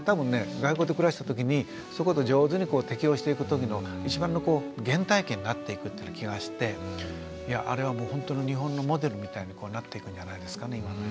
外国で暮らしたときにそこで上手に適応していくときの一番の原体験になっていくっていう気がしてあれはほんとの日本のモデルみたいになっていくんじゃないですかね。